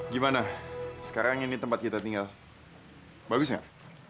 gimana sekarang ini tempat kita tinggal bagus nggak